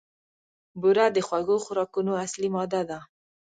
بوره د خوږو خوراکونو اصلي ماده ده.